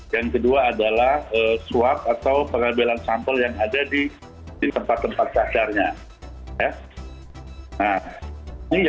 yang kedua adalah suap atau pengambilan sampel yang ada di tempat tempat cacarnya